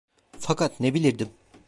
Fakat ne bilirdim…